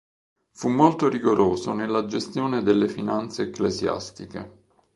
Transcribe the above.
Fu molto rigoroso nella gestione delle finanze ecclesiastiche.